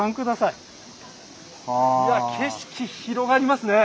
いや景色広がりますね。